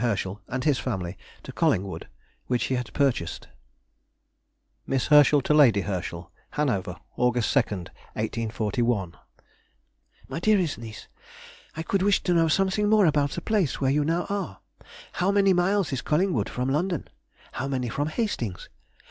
Herschel and his family to Collingwood, which he had purchased:— MISS HERSCHEL TO LADY HERSCHEL. HANOVER, August 2, 1841. MY DEAREST NIECE,— ... I could wish to know something more about the place where you now are. How many miles is Collingwood from London? How many from Hastings?